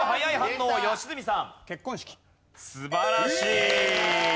素晴らしい！